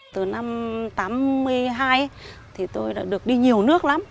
từ năm một nghìn chín trăm tám mươi hai tôi đã được đi nhiều nước lắm